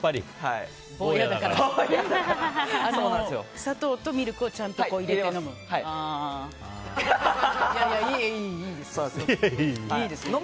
砂糖とミルクをちゃんと入れて飲む？